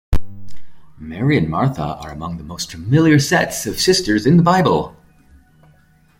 Mary and Martha are among the most familiar sets of sisters in the Bible.